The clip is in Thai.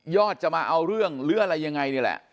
จะมาเอาเรื่องหรืออะไรยังไงนี่แหละ